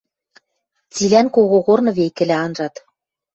Цилӓн когогорны векӹлӓ анжат.